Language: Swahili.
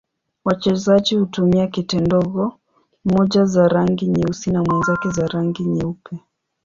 Wachezaji hutumia kete ndogo, mmoja za rangi nyeusi na mwenzake za rangi nyeupe.